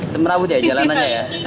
semrawut ya jalanannya ya